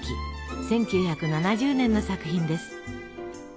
１９７０年の作品です。